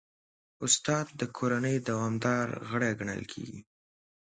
استاد د کورنۍ دوامدار غړی ګڼل کېږي.